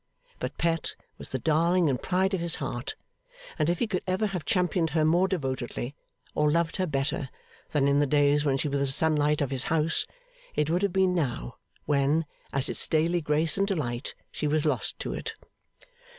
But Pet was the darling and pride of his heart; and if he could ever have championed her more devotedly, or loved her better, than in the days when she was the sunlight of his house, it would have been now, when, as its daily grace and delight, she was lost to it.